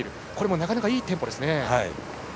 なかなかいいテンポですね。